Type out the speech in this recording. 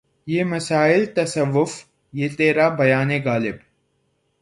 یہ مسائل تصوف یہ ترا بیان غالبؔ